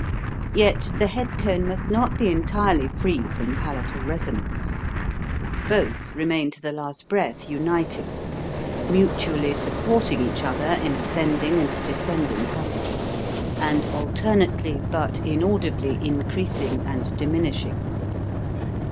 Yet the head tone must not be entirely free from palatal resonance. Both remain to the last breath united, mutually supporting each other in ascending and descending passages, and alter nately but inaudibly increasing and diminishing.